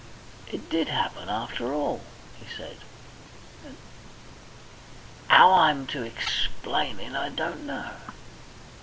"It did happen, after all," he said. "And 'ow I'm to explain it I don't know."